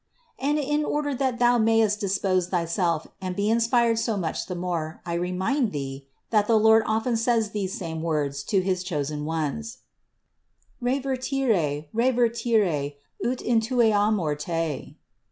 97. And in order that thou mayest dispose thyself and be inspired so much the more, I remind thee, that the Lord often says these same words to his chosen ones: "Revertere, revertere, ut intueamur te."